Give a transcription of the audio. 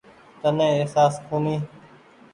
تني اهساس ڪونيٚ ۔